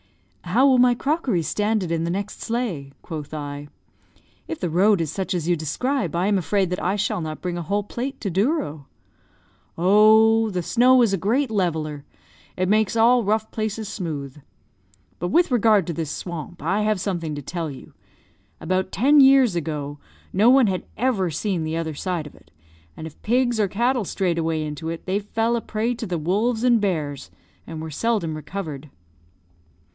"How will my crockery stand it in the next sleigh?" quoth I. "If the road is such as you describe, I am afraid that I shall not bring a whole plate to Douro." "Oh, the snow is a great leveller it makes all rough places smooth. But with regard to this swamp, I have something to tell you. About ten years ago, no one had ever seen the other side of it; and if pigs or cattle strayed away into it, they fell a prey to the wolves and bears, and were seldom recovered.